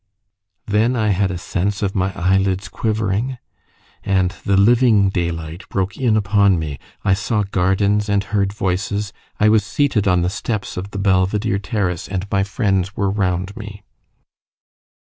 Then I had a sense of my eyelids quivering, and the living daylight broke in upon me; I saw gardens, and heard voices; I was seated on the steps of the Belvedere Terrace, and my friends were round me.